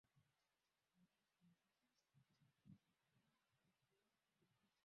Mashirika ya habari kama yana mapendeleo au hayana mapenmdeleo